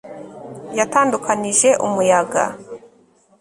Yatandukanije umuyaga